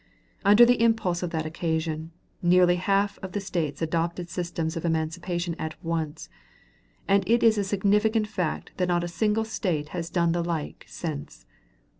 Under the impulse of that occasion, nearly half the States adopted systems of emancipation at once; and it is a significant fact that not a single State has done the like since.